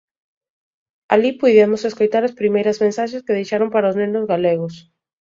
Alí puidemos escoitar as primeiras mensaxes que deixaron para os nenos galegos.